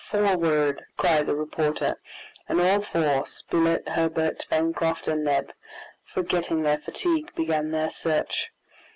"Forward," cried the reporter; and all four, Spilett, Herbert, Pencroft, and Neb, forgetting their fatigue, began their search.